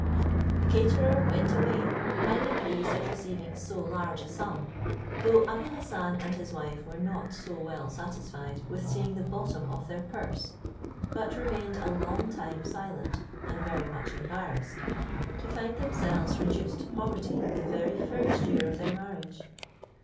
The caterer went away highly pleased at receiving so large a sum, though Abou Hassan and his wife were not so well satisfied with seeing the bottom of their purse, but remained a long time silent, and very much embarrassed, to find themselves reduced to poverty the very first year of their marriage.